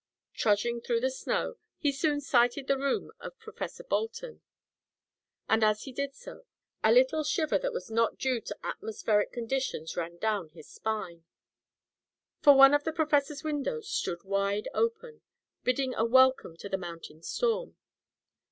Trudging through the snow, he soon sighted the room of Professor Bolton. And as he did so, a little shiver that was not due to atmospheric conditions ran down his spine. For one of the professor's windows stood wide open, bidding a welcome to the mountain storm.